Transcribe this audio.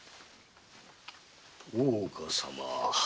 大岡様。